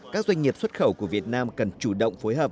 các doanh nghiệp xuất khẩu của việt nam cần chủ động phối hợp